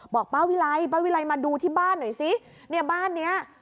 บอกป้าวิไลป้าวิไลมาดูที่บ้านหน่อยซิเนี่ยบ้านเนี้ย